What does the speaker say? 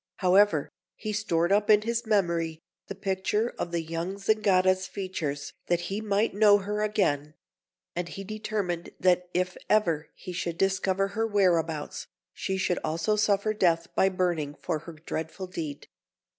However, he stored up in his memory the picture of the young Zingara's features, that he might know her again; and he determined that if ever he should discover her whereabouts, she should also suffer death by burning for her dreadful deed.